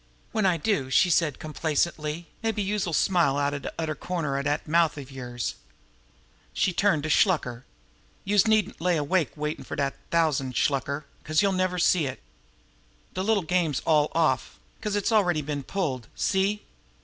"When I do," she said complacently, "mabbe youse'll smile out of de other corner of dat mouth of yers!" She turned to Shluker. "Youse needn't lay awake waitin' fer dat thousand, Shluker, 'cause youse'll never see it. De little game's all off 'cause it's already been pulled. See?